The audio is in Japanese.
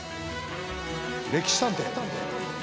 「歴史探偵！」。